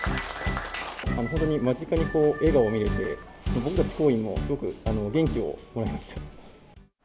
本当に間近に笑顔を見れて、僕たち行員も、すごく元気をもらいました。